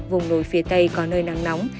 vùng núi phía tây có nơi nắng nóng